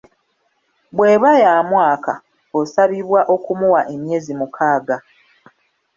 Bw’eba ya mwaka, osabibwa okumuwa emyezi mukaaga.